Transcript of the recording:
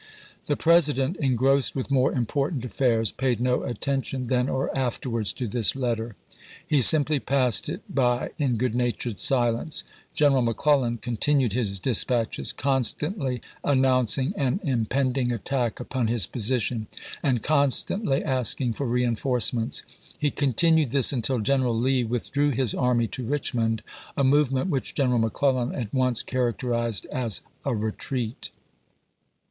The President, engrossed with more important affairs, paid no attention, then or afterwards, to this 452 ABRAHAM LINCOLN CU.XXIV. letter.' He simply passed it by in good natured silence. General McClellan continued liis dis patches, constantly announcing an impending at tack upon his position, and constantly asking for reenforcements. He continued this until General Lee withdrew his army to Richmond, a movement which General McClellan at once characterized as " a retreat."